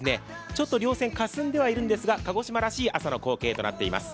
ちょっと稜線かすんではいるんですが、鹿児島らしい朝の光景となっています。